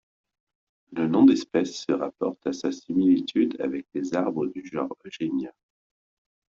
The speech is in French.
Le nom d'espèce se rapporte à sa similitude avec les arbres du genre Eugenia.